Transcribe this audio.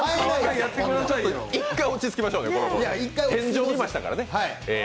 一回落ち着きましょうね、天井いきましたからね。